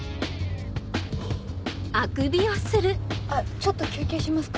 ちょっと休憩しますか？